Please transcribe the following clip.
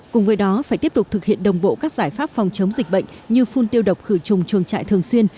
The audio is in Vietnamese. cùng với đó phải tiếp tục thực hiện đồng bộ các giải pháp phòng chống dịch bệnh như phun tiêu độc khử trùng chuồng trại thường xuyên